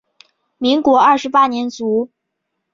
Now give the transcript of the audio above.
民国二十八年卒。